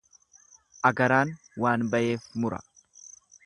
Agaraan waan bayeef mura.